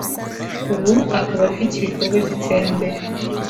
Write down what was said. ubu akaba afite ibikorwa by’iterambere